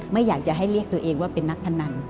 ไม่อยากจะให้เรียกตัวเองว่าเป็นนักพนัน